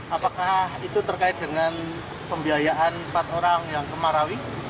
apakah itu terkait dengan pembiayaan empat orang yang kemarawi